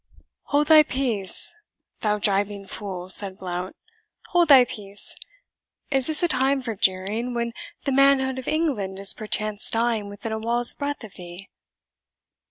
"Hold thy peace, thou gibing fool," said Blount; "hold thy peace. Is this a time for jeering, when the manhood of England is perchance dying within a wall's breadth of thee?"